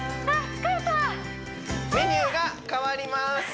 疲れたメニューが変わります